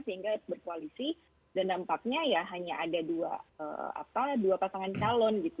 sehingga berkoalisi dan dampaknya hanya ada dua pasangan calon